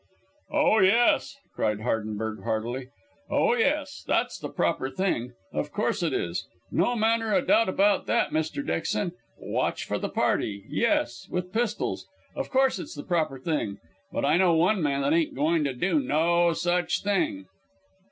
"Oh, yes," cried Hardenberg heartily. "Oh, yes; that's the proper thing. Of course it is. No manner o' doubt about that, Mr. Dixon. Watch for the party yes, with pistols. Of course it's the proper thing. But I know one man that ain't going to do no such thing."